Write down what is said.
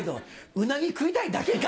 うなぎ食いたいだけか？